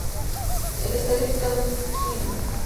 El estadio ubicado en Km.